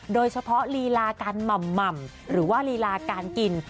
โดยเฉพาะลีลาการหม่ำหรือว่าลีลาการกิน